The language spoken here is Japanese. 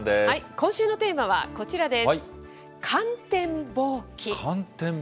今週のテーマはこちらです。